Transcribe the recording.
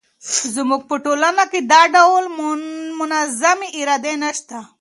زموږ په ټولنه کې دا ډول منظمې ادارې نه شته.